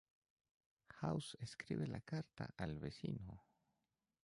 House escribe la carta al vecino.